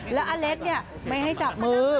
แล้วอเลสไม่ให้จับมือ